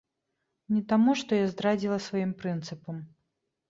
Не таму, што я здрадзіла сваім прынцыпам.